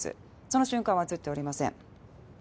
その瞬間は写っておりません